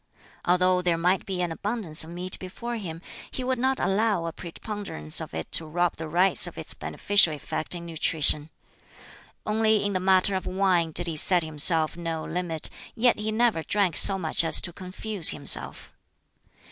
Although there might be an abundance of meat before him, he would not allow a preponderance of it to rob the rice of its beneficial effect in nutrition. Only in the matter of wine did he set himself no limit, yet he never drank so much as to confuse himself.